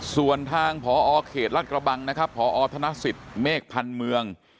ส่วนทางพอเขตรัฐกระบังนะครับพอธนสิทธิ์เมฆพันธ์เมือง